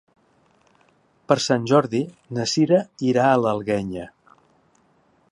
Per Sant Jordi na Sira irà a l'Alguenya.